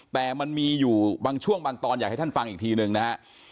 แต่มันมีอยู่บางช่วงบางตอนอยากให้ท่านฟังอีกทีหนึ่งนะฮะ